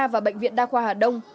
và bệnh viện đa khoa hà đông